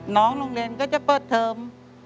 โรงเรียนก็จะเปิดเทอม